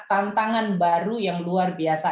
tantangan baru yang luar biasa